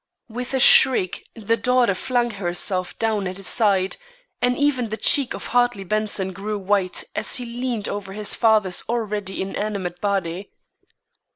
With a shriek, the daughter flung herself down at his side, and even the cheek of Hartley Benson grew white as he leaned over his father's already inanimate body.